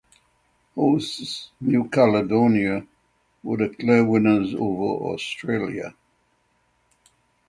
Hosts New Caledonia were the clear winners over Australia.